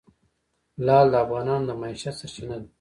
لعل د افغانانو د معیشت سرچینه ده.